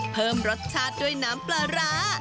เพิ่มรสชาติด้วยน้ำปลาร้า